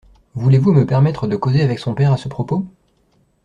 Voulez-vous me permettre de causer avec son père à ce propos?